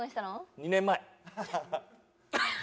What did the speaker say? ２年前。